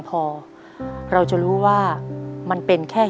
ปิดเท่าไหร่ก็ได้ลงท้ายด้วย๐เนาะ